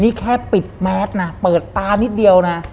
นี่แค่ปิดแมสนะเปิดตานิดเดียวนะ